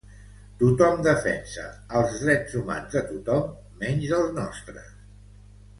Tothom defensa els drets humans de tothom, menys els nostres.